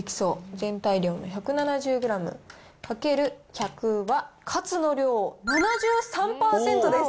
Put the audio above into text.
全体量の１７０グラムかける１００は、カツの量、７３％です。